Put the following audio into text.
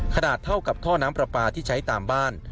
เท่ากับท่อน้ำปลาปลาที่ใช้ตามบ้าน